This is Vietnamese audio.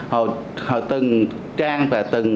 họ từng trang và từng